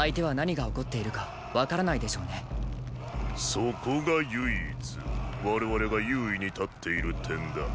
そこが唯一我々が優位に立っている点だ。